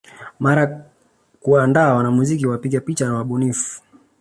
Mara kuandaa wanamuziki wapiga picha na wabunifu